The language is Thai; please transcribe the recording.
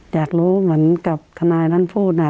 อยากรู้เหมือนกับทนายนั้นพูด